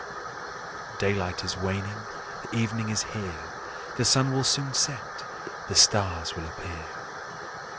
The daylight is waning, the evening is here, The sun will soon set, the stars will appear.